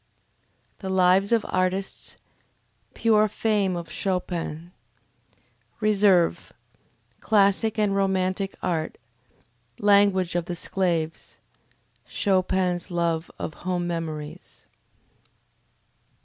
The Lives of Artists Pure Fame of Chopin Reserve Classic and Romantic Art Language of the Sclaves Chopin's Love of Home Memories.